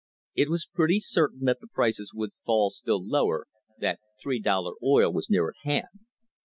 It was pretty certain that prices would fall still lower, that "three dollar oil" was near at hand.